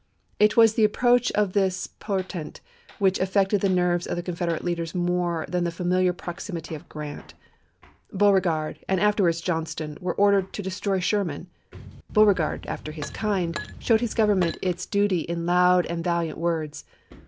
It was the approach of this por tent which affected the nerves of the Confederate leaders more than the familiar proximity of Grant. Beauregard, and afterwards Johnston, were ordered to " destroy Sherman." Beauregard, after his kind, showed 2tis Government its duty in loud and valiant FIVE FORKS 157 words.